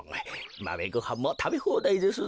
マメごはんもたべほうだいですぞ。